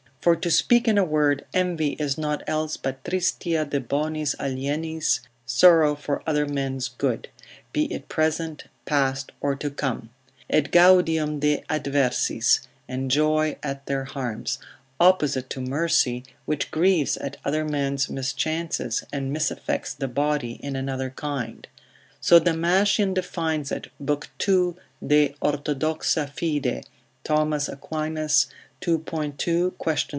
For to speak in a word, envy is nought else but Tristitia de bonis alienis, sorrow for other men's good, be it present, past, or to come: et gaudium de adversis, and joy at their harms, opposite to mercy, which grieves at other men's mischances, and misaffects the body in another kind; so Damascen defines it, lib. 2. de orthod. fid. Thomas, 2. 2. quaest. 36.